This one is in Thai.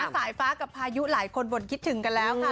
สายฟ้ากับพายุหลายคนบ่นคิดถึงกันแล้วค่ะ